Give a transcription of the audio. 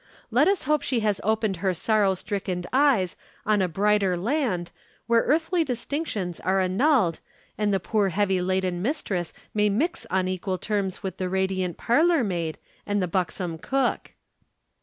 Let us hope that she has opened her sorrow stricken eyes on a brighter land, where earthly distinctions are annulled and the poor heavy laden mistress may mix on equal terms with the radiant parlor maid and the buxom cook."